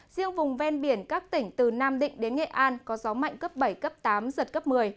riêng vùng ven biển các tỉnh từ nam định đến nghệ an có gió mạnh cấp bảy cấp tám giật cấp một mươi